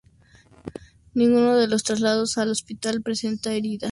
Ninguno de los trasladados al hospital presentaba heridas de carácter vital.